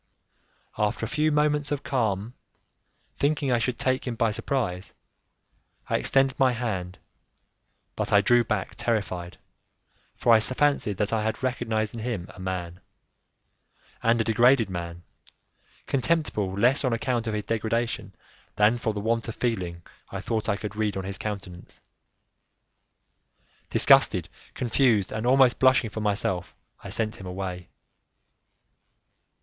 After a few moments of calm, thinking I should take him by surprise, I extended my hand, but I drew back terrified, for I fancied that I had recognized in him a man, and a degraded man, contemptible less on account of his degradation than for the want of feeling I thought I could read on his countenance. Disgusted, confused, and almost blushing for myself, I sent him away.